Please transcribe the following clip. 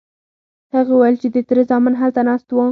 هغې وویل چې د تره زامن هلته ناست وو.